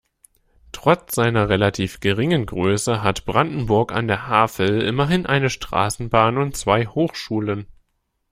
Trotz seiner relativ geringen Größe hat Brandenburg an der Havel immerhin eine Straßenbahn und zwei Hochschulen.